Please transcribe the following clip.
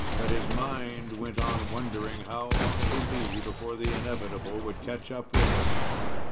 But his mind went on wondering how long it would be before the inevitable would catch up with him.